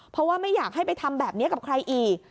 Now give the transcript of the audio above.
เพราะว่าไม่อยากให้ไปทำแบบนี้กับใครอีก